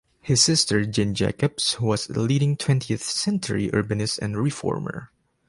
His sister, Jane Jacobs, was a leading twentieth century urbanist and reformer.